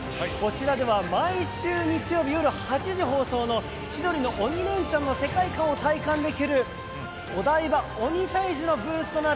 こちらでは毎週日曜日夜８時放送の「千鳥の鬼レンチャン」の世界観を体感できるお台場鬼退治のブースです。